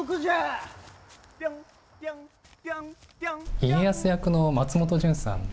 家康役の松本潤さん。